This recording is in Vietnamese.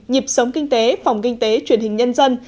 nhịp sống kinh tế phòng kinh tế truyền hình nhân dân